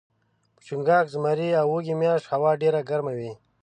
په چنګاښ ، زمري او وږي میاشت هوا ډیره ګرمه وي